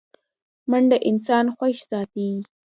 منډه انسان خوښ ساتي